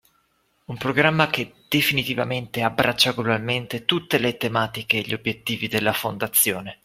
Un programma che definitivamente abbraccia globalmente tutte le tematiche e gli obbiettivi della Fondazione,